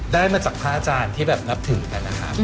ได้มาจากพระอาจารย์ที่แบบนับถือกันนะครับ